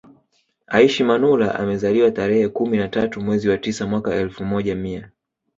Aishi Manula amezaliwa tarehe kumi na tatu mwezi wa tisa mwaka elfu moja mia